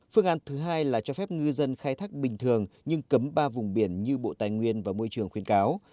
phương án thứ hai là cho phép ngư dân khai thác bình thường nhưng cấm ba vùng biển như bộ tài nguyên và môi trường khuyến cáo